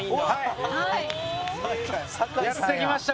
やって来ました。